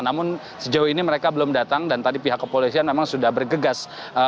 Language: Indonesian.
namun sejauh ini mereka belum datang dan tadi pihak kepolisian memang sudah bergegas